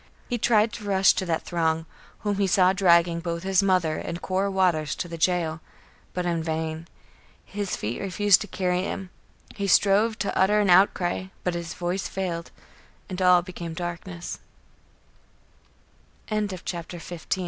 He tried to rush to that throng, whom he saw dragging both his mother and Cora Waters to the jail; but in vain. His feet refused to carry him. He strove to utter an outcry; but his voice failed, and all became darkness. CHAPTER XVI. ESCAPE AND FLIGHT.